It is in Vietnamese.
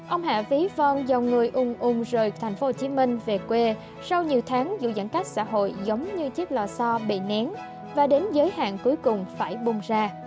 ông hạ ví von dòng người ung ung rời tp hcm về quê sau nhiều tháng dù giãn cách xã hội giống như chiếc lò so bị nén và đến giới hạn cuối cùng phải bung ra